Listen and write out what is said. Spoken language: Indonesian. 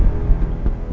ke suatu saat lama